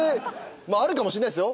まああるかもしんないですよ